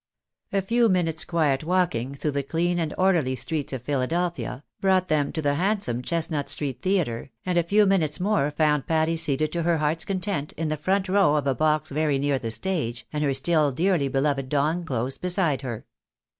A few minutes' quiet walking through the clean and orderly streets of Philadelphia, brought them to the handsome Chesuut street Theatre, and a few minutes more found Patty seated to her heart's content in the front row of a box very near the stage, and her still dearly beloved Don close beside her.